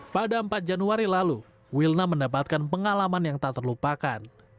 pada empat januari lalu wilna mendapatkan pengalaman yang tak terlupakan